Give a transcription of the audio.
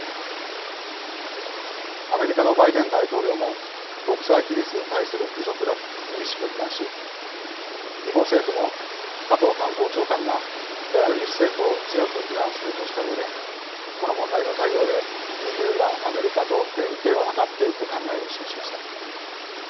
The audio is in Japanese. アメリカのバイデン大統領も国際規律に対する侮辱だと厳しく非難し日本政府も加藤官房長官がベラルーシ政府を強く非難するとしたうえでこの問題の対応でＥＵやアメリカと連携を図っていく考えを示しました。